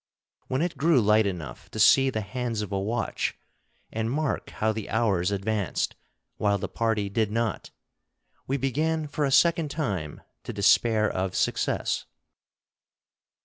When it grew light enough to see the hands of a watch, and mark how the hours advanced while the party did not, we began for a second time to despair of success.